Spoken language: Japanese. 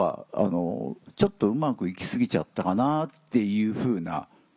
ちょっとうまく行き過ぎちゃったかなっていうふうな。